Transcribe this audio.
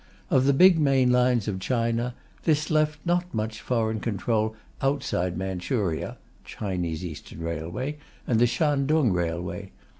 Of the big main lines of China, this left not much foreign control outside the Manchurian Railway (Chinese Eastern Railway) and the Shantung Railway.